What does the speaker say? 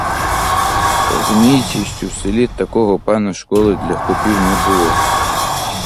Розуміється, що в селі такого пана школи для хлопів не було.